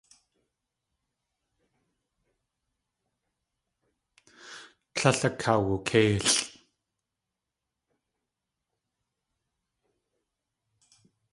Tlél akawukéilʼ.